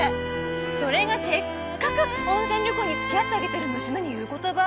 それがせっかく温泉旅行に付き合ってあげてる娘に言う言葉？